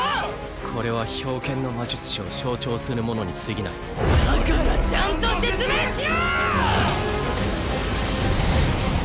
これは冰剣の魔術師を象徴するものにすぎないだからちゃんと説明しろ！